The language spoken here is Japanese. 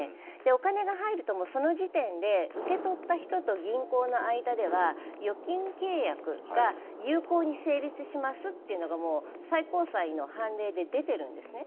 お金が入ると、その時点で受け取った人と銀行の間では預金契約が有効に成立しますというのが最高裁の判例で出ているんですね。